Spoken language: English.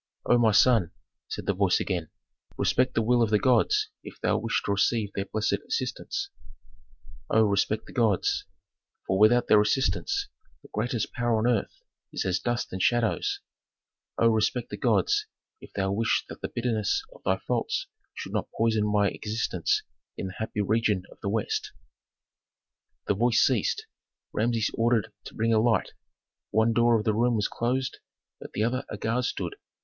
"O my son," said the voice again, "respect the will of the gods if thou wish to receive their blessed assistance O respect the gods, for without their assistance the greatest power on earth is as dust and shadows O respect the gods if thou wish that the bitterness of thy faults should not poison my existence in the happy region of the West." The voice ceased, Rameses ordered to bring a light. One door of the room was closed, at the other a guard stood.